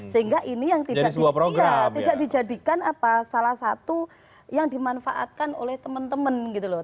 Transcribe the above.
sehingga ini yang tidak dijadikan salah satu yang dimanfaatkan oleh teman teman gitu loh